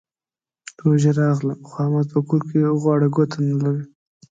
روژه راغله؛ خو احمد په کور کې غوړه ګوته نه لري.